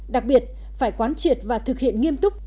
đặc biệt phải quán triệt và thực hiện nghiêm túc